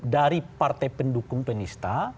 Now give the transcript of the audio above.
dari partai pendukung penista